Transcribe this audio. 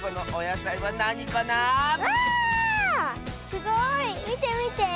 すごい。みてみて。